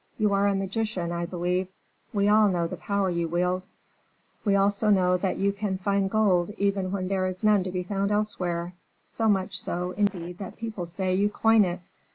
You are a magician, I believe; we all know the power you wield; we also know that you can find gold even when there is none to be found elsewhere; so much so, indeed, that people say you coin it."